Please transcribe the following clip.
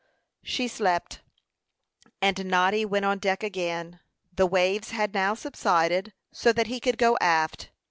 She slept, and Noddy went on deck again. The waves had now subsided, so that he could go aft.